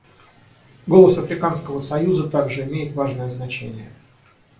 Голос Африканского союза также имеет важное значение.